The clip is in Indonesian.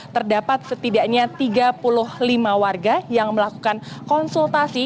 terdapat setidaknya tiga puluh lima warga yang melakukan konsultasi